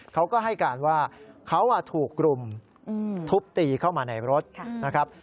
เขาก็ให้การว่าเขาถูกกลุ่มทุบตีเข้ามาในรถนะครับ